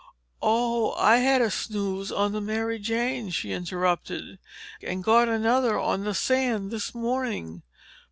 "Oh, I had a snooze on the Mary Jane," she interrupted, "and got another on the sand this morning.